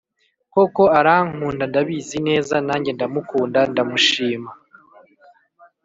Koko arankunda ndabizi neza nanjye ndamukunda ndamushima